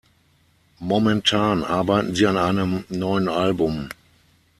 Momentan arbeiten sie an einem neuen Album.